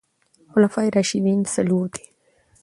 خلفاء راشدين څلور دي